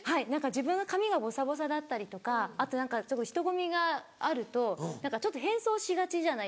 自分の髪がボサボサだったりとかあと人混みがあるとちょっと変装しがちじゃないですか。